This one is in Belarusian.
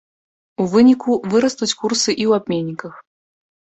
У выніку, вырастуць курсы і ў абменніках.